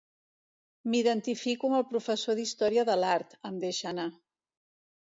M'identifico amb el professor d'història de l'art —em deixa anar.